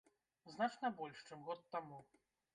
Значна больш, чым год таму.